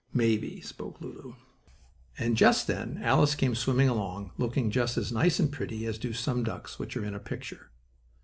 "Maybe," spoke Lulu, and just then Alice came swimming along, looking just as nice and pretty as do some ducks which are in a picture.